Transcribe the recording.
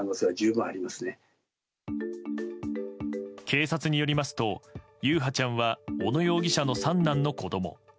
警察によりますと優陽ちゃんは小野容疑者の三男の子供。